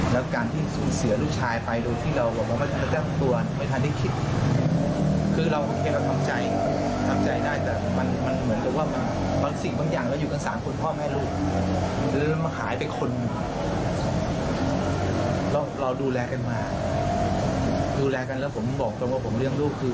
ดูแลกันมาดูแลกันแล้วผมบอกจนว่าผมเรื่องลูกคือ